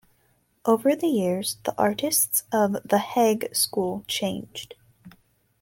Over the years, the artists of the Hague School changed.